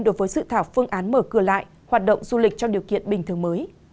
đối với dự thảo phương án mở cửa lại hoạt động du lịch trong điều kiện bình thường mới